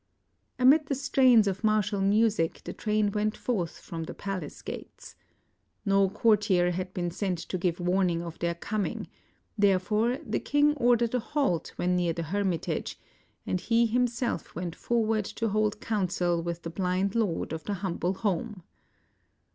Amid the strains of martial music the train went forth from the palace gates. No courier had been sent to give warning of their coming ; therefore the king ordered a halt when near the hermitage, and he himself went for ward to hold council with the blind lord of the humble home.